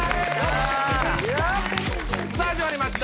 さあ始まりました。